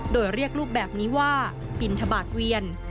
โดยเรียกลูกแบบนี้ว่าบินทบาทเวียน